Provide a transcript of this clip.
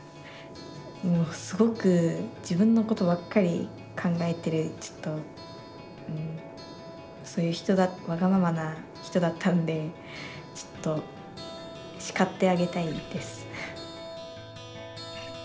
もうすごく自分のことばっかり考えてるちょっとそういう人わがままな人だったんでちょっと叱ってあげたいです。